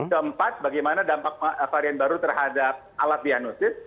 keempat bagaimana dampak varian baru terhadap alat diagnosis